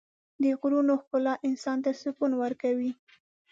د غرونو ښکلا انسان ته سکون ورکوي.